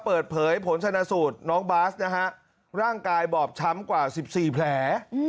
เปิดเผยผลชนะสูตรน้องบาสนะฮะร่างกายบอบช้ำกว่า๑๔แผล